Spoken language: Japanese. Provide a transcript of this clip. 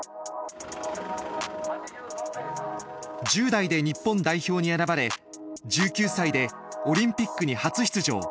１０代で日本代表に選ばれ１９歳でオリンピックに初出場。